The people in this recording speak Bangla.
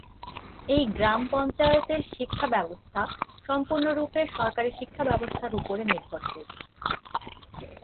এই গ্রাম পঞ্চায়েতের শিক্ষা ব্যবস্থা সম্পূর্ণ রূপে সরকারি শিক্ষা ব্যবস্থার উপরে নির্ভরশীল।